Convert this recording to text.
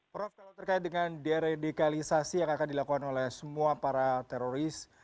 prof kalau terkait dengan deradikalisasi yang akan dilakukan oleh semua para teroris